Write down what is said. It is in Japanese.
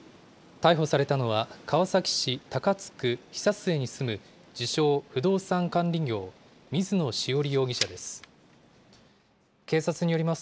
逮捕されたのは、川崎市高津区久末に住む自称不動産管理業、水野潮理容疑者です。